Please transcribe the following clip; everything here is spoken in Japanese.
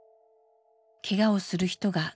けがをする人が続出。